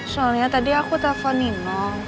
soalnya tadi aku telpon nino